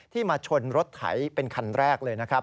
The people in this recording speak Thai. มาชนรถไถเป็นคันแรกเลยนะครับ